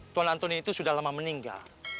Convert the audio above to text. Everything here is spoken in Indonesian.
tuan antoni itu sudah lama meninggal